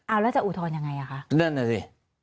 อ้าวแล้วจะอุทธรณ์ยังไง